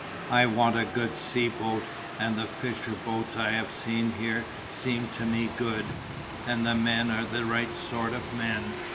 I want a good sea boat and the fisher boats I have seen here seemed to me good, and the men are the right sort of men.